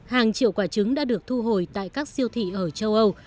hàng triệu quả trứng đã được thu hồi tại các siêu thị ở châu âu